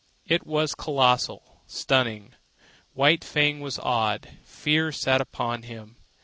It was colossal, stunning. White Fang was awed. Fear sat upon him.